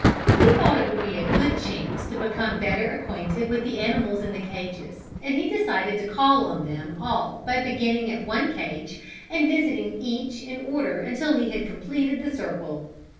He thought it would be a good chance to become better acquainted with the animals in the cages and he decided to call on them all by beginning at one cage and visiting each in order until he had completed the circle.